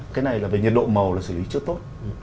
cái này là về nhiệt độ màu là xử lý chưa tốt